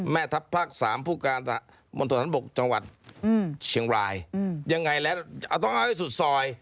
แม่ทัพภาค๓ผู้การมณฑนฐานบกจังหวัดเชียงรายยังไงแล้วต้องเอาให้สุดซอย